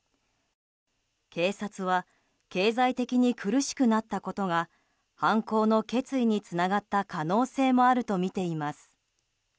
警察は経済的に苦しくなったことが犯行の決意につながった可能性もあるとみています。